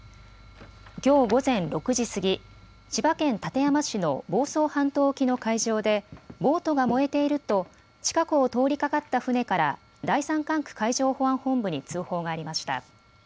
きょう午前６時過ぎ、千葉県館山市の房総半島沖の海上でボートが燃えていると近くを通りかかった船から第３管区海上保安本部に通報がありました。